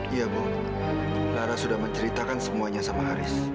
iya bu laras sudah menceritakan semuanya sama haris